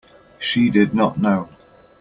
She did not know.